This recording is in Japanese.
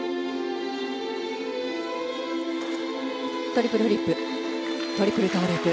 トリプルフリップトリプルトウループ。